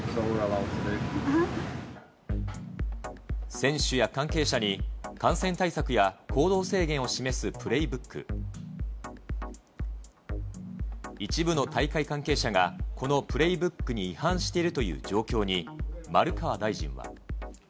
選手や関係者に、感染対策や行動制限を示すぷれーぶっく一部の大会関係者がこのプレーブックに違反しているという状況に、丸川大臣は。